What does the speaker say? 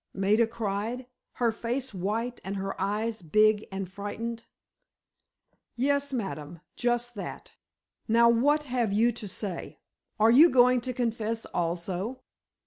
Maida cried, her face white and her eyes big and frightened. "Yes, ma'am, just that! Now, what have you to say? Are you going to confess also?"